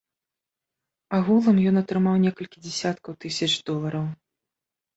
Агулам ён атрымаў некалькі дзясяткаў тысяч долараў.